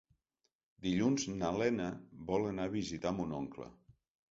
Dilluns na Lena vol anar a visitar mon oncle.